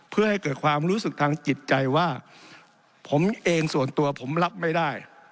เพื่อให้เกิดความรู้สึกทางจิตใจว่าผมเองส่วนตัวผมรับไม่ได้